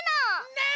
ねえ。